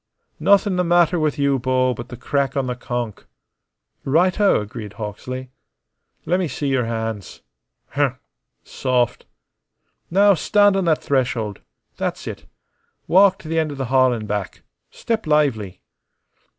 "Nothin' the matter with you, Bo, but the crack on the conk." "Right o!" agreed Hawksley. "Lemme see your hands. Humph. Soft. Now stand on that threshold. That's it. Walk t' the' end o' the hall an' back. Step lively."